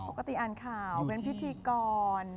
ปกติอ่านข่าวเป็นพิธีกร